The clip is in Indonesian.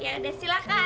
ya deh silakan